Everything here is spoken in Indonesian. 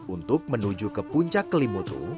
untuk menuju ke puncak kelimutu